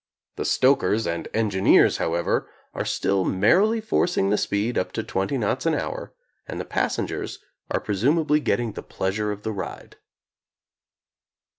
The stokers and engineers, however, are still merrily forcing the speed up to twenty knots an hour and the passengers are pre sumably getting the pleasure of the ride.